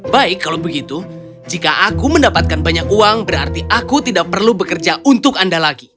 baik kalau begitu jika aku mendapatkan banyak uang berarti aku tidak perlu bekerja untuk anda lagi